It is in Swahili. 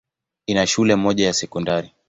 Ina shule moja ya sekondari.